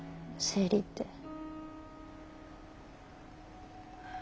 生理って。